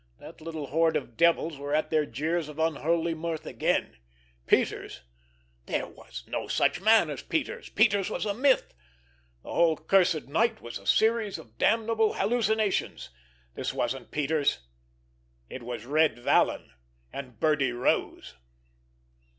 That little horde of devils were at their jeers of unholy mirth again. Peters! There was no such man as Peters! Peters was a myth! The whole cursed night was a series of damnable hallucinations. This wasn't Peters—it was Red Vallon, and Birdie Rose.